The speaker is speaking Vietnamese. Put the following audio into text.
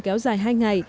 kéo dài hai ngày